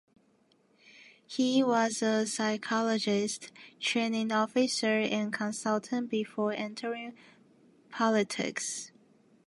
He was a psychologist, training officer and consultant before entering politics.